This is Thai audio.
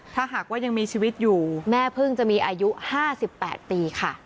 ถ้าหากว่ายังมีชีวิตอยู่แม่เพิ่งจะมีอายุ๕๘ปีค่ะ